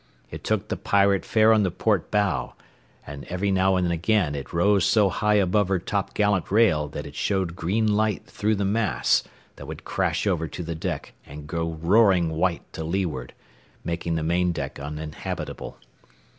It took the Pirate fair on the port bow, and every now and again it rose so high above her topgallant rail that it showed green light through the mass that would crash over to the deck and go roaring white to leeward, making the main deck uninhabitable.